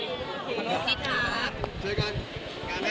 เธอสุดที่รัก